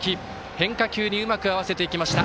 変化球にうまく合わせていきました。